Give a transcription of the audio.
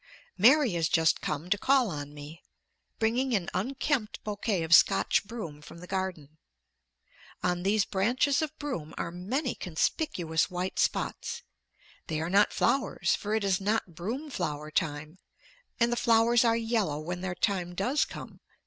Mary has just come to call on me, bringing an unkempt bouquet of Scotch broom from the garden. On these branches of broom are many conspicuous white spots. They are not flowers, for it is not broom flower time, and the flowers are yellow when their time does come.